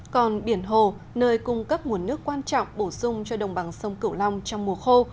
còn biển hồ nơi cung cấp nguồn nước quan trọng bổ sung cho đồng bằng sông cửu long trong mùa khô